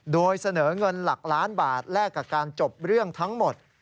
โดยเสนอเงินหลักล้านบาทแลกกับการจบเรื่องทั้งหมด